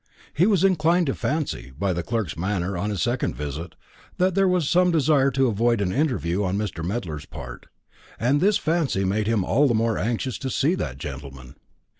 He was inclined to fancy, by the clerk's manner on his second visit, that there was some desire to avoid an interview on Mr. Medler's part; and this fancy made him all the more anxious to see that gentleman.